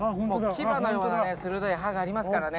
キバのようなね鋭い歯がありますからね。